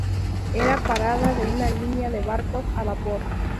Era parada de una línea de barcos a vapor.